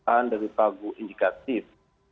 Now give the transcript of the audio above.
anda dipanggu indikatif